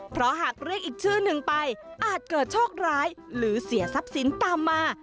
เพราะหากเรียกอีกชื่อหนึ่งไปอาจเกิดโชคร้ายหรือเสียทรัพย์สินตามมา